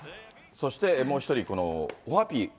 そしてもう１人、オハピー。